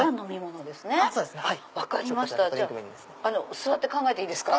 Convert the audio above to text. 座って考えていいですか？